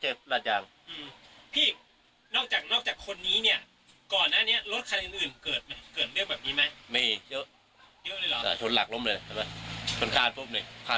เฉียนคนะคะ๕๕อ่ะ